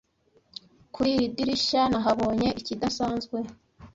Kuri iri dirishya nahabonye ikidasanzwe